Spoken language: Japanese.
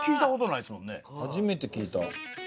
初めて聞いた。